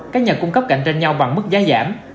các nhà cung cấp cạnh tranh nhau bằng mức giá giảm